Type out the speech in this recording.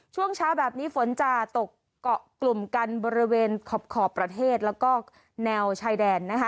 ช่วงเช้าแบบนี้ฝนจะตกเกาะกลุ่มกันบริเวณขอบประเทศแล้วก็แนวชายแดนนะคะ